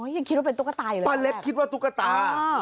อ๋อยังคิดว่าเป็นตุ๊กตาอยู่แล้วนะแหละครับอ๋ออืม